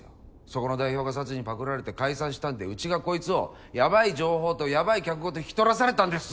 そこの代表がサツにパクられて解散したんでうちがこいつをヤバい情報とヤバい客ごと引き取らされたんです。